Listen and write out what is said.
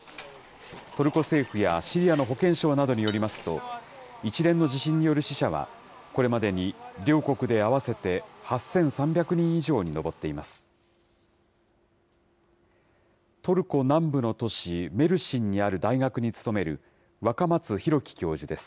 トルコ政府やシリアの保健省などによりますと、一連の地震による死者は、これまでに両国で合わせて８３００人以上に上っています。